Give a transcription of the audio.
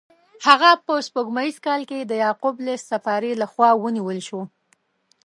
هغه په سپوږمیز کال کې د یعقوب لیث صفاري له خوا ونیول شو.